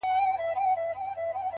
خپه په دې يم چي زه مرمه او پاتيږي ژوند؛